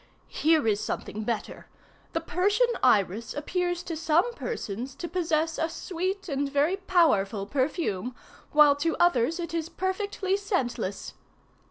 "Here is something better. 'The Persian Iris appears to some persons to possess a sweet and very powerful perfume, while to others it is perfectly scentless.